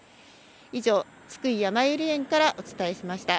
以上、津久井やまゆり園からお伝えしました。